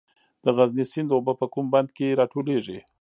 د غزني سیند اوبه په کوم بند کې راټولیږي؟